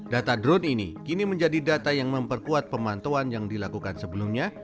data drone ini kini menjadi data yang memperkuat pemantauan yang dilakukan sebelumnya